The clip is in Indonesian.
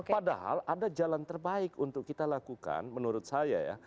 padahal ada jalan terbaik untuk kita lakukan menurut saya ya